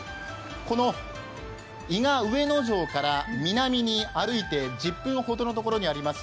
この伊賀上野城から南に歩いて１０分ほどのところにあります